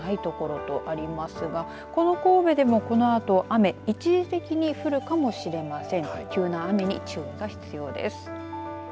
雲がある所と、ない所とありますがこの神戸でも、このあと雨一時的に降るかもしれません。